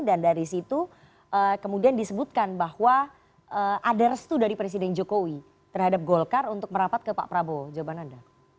dan dari situ kemudian disebutkan bahwa ada restu dari presiden jokowi terhadap golkar untuk merapat ke pak prabowo jawaban anda